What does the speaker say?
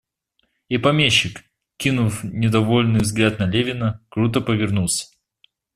И помещик, кинув недовольный взгляд на Левина, круто повернулся.